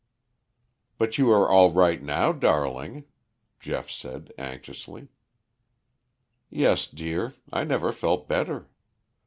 "But you are all right now, darling," Geoff said anxiously. "Yes, dear, I never felt better.